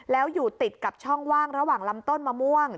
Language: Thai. แล้วอยู่ติดกับช่องว่างระหว่างลำต้นมะม่วง